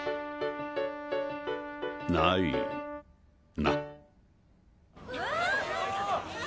ないな。